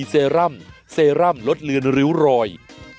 เซรั่มรสเลือดริ้วรอย